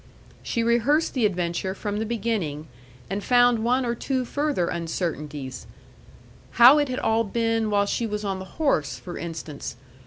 She rehearsed the adventure from the beginning, and found one or two further uncertainties how it had all been while she was on the horse, for instance.